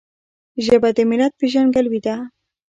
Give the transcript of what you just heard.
ژبه د ملت پیژندګلوي ده.